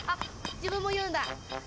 自分も言うんだ。